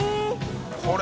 これ。